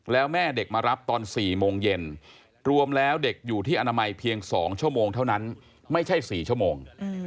แล้วแม่เด็กมารับตอน๔โมงเย็นรวมแล้วเด็กอยู่ที่อนามัยเพียง๒ชั่วโมงเท่านั้นไม่ใช่๔ชั่วโมง